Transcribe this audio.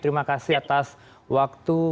terima kasih atas waktu